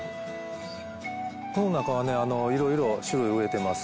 この中はね色々種類植えてます。